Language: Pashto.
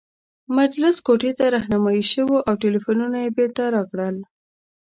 مجلس کوټې ته رهنمايي شوو او ټلفونونه یې بیرته راکړل.